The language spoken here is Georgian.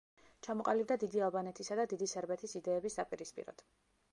ჩამოყალიბდა დიდი ალბანეთისა და დიდი სერბეთის იდეების საპირისპიროდ.